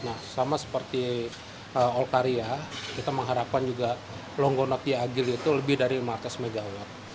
nah sama seperti olkaria kita mengharapkan juga longgona kiagil itu lebih dari lima ratus mw